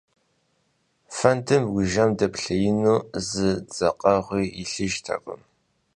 Фэндым уи жьэм дэпхьеину зы дзэкъэгъуи илъыжтэкъым.